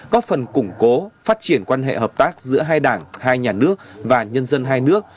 có phần củng cố phát triển quan hệ hợp tác giữa hai đảng hai nhà nước và nhân dân hai nước